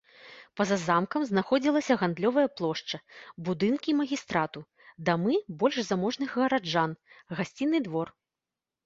Па-за замкам знаходзілася гандлёвая плошча, будынкі магістрату, дамы больш заможных гараджан, гасцінны двор.